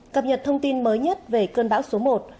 cập nhật thông tin mới nhất về cơn bão số một